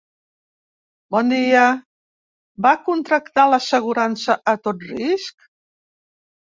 Bon dia, va contractar la assegurança a tot risc?